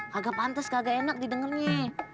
kagak pantes kagak enak didengernye